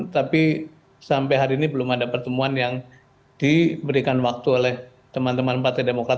tapi sampai hari ini belum ada pertemuan yang diberikan waktu oleh teman teman partai demokrat